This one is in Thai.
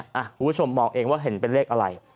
คุณผู้ชมมองเองว่าเห็นเป็นเลขอะไร